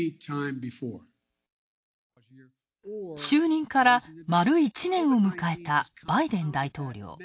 就任から丸１年を迎えたバイデン大統領。